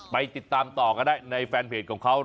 ไปติดตามต่อกันได้ในแฟนเพจของเขา